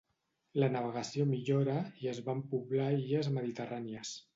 La navegació millora i es van poblar illes mediterrànies.